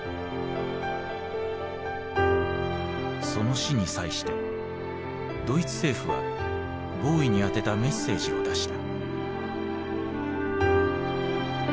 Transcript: その死に際してドイツ政府はボウイに宛てたメッセージを出した。